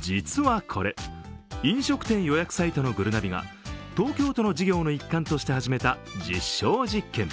実はこれ、飲食店予約サイトのぐるなびが東京都の事業の一環として始めた実証実験。